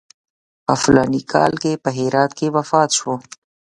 په فلاني کال کې په هرات کې وفات شو.